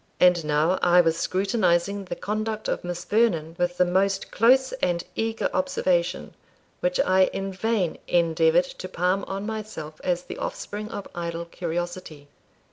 And now I was scrutinising the conduct of Miss Vernon with the most close and eager observation, which I in vain endeavoured to palm on myself as the offspring of idle curiosity.